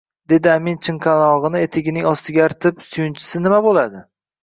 Dedi amin chinchalog‘ini etigining ostiga artib, suyunchisi nima bo‘ladi